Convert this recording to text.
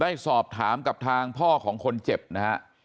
ได้สอบถามกับทางพ่อของคนเจ็บนะฮะ